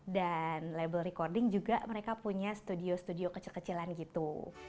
dan label recording juga mereka punya studio studio kecil kecilan gitu